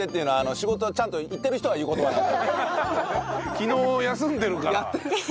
昨日休んでるから。